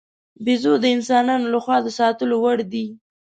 بیزو د انسانانو له خوا د ساتلو وړ دی.